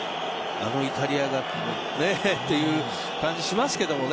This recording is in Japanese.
あのイタリアがねという感じしますけどね。